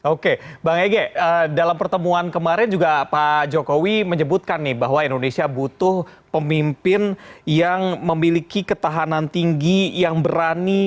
oke bang ege dalam pertemuan kemarin juga pak jokowi menyebutkan nih bahwa indonesia butuh pemimpin yang memiliki ketahanan tinggi yang berani